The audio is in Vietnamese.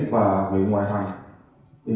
và viện ngoại hành